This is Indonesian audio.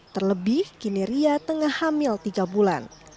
terlebih kini ria tengah hamil tiga bulan